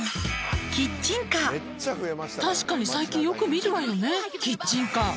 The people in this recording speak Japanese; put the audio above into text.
「確かに最近よく見るわよねキッチンカー」